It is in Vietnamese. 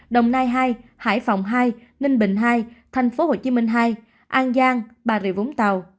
đồng nai hai hải phòng hai ninh bình hai thành phố hồ chí minh hai an giang bà rịa vũng tàu